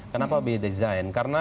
kenapa by design karena